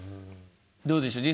どうでしょう。